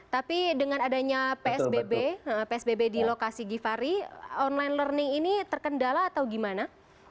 tapi dengan adanya psbb di lokasi givhary online learning ini terkendala atau gimana